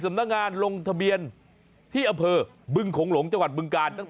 บาราบีปูอืลึ